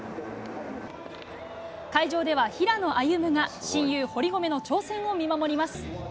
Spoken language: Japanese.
会場では、平野歩夢が親友、堀米の挑戦を見守ります。